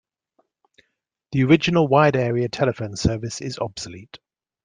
The original Wide Area Telephone Service is obsolete.